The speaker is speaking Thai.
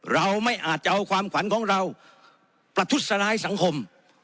เราไม่อาจจะเอาความขวัญของเราประทุษร้ายสังคม